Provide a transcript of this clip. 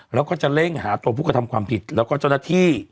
แล้วก็จะเร่งหาตัวผู้กระทำความผิดแล้วก็เจ้าหน้าที่